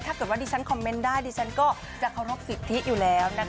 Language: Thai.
ถ้าเกิดว่าดิฉันคอมเมนต์ได้ดิฉันก็จะเคารพสิทธิอยู่แล้วนะคะ